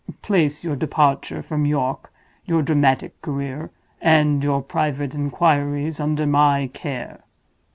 "Place your departure from York, your dramatic career, and your private inquiries under my care.